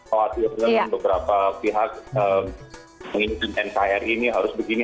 khawatir dengan beberapa pihak menginginkan nkri ini harus begini